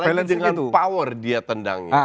balancing dengan power dia tendangnya